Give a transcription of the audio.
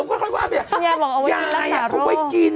มันก็คือยายอ่ะเขาไว้กิน